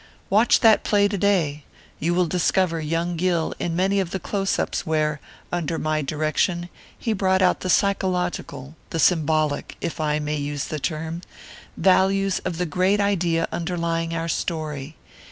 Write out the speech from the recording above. "'Watch that play to day; you will discover young Gill in many of the close ups where, under my direction, he brought out the psychological, the symbolic if I may use the term values of the great idea underlying our story.